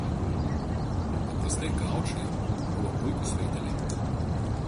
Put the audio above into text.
Paprastai gaučai buvo puikūs raiteliai.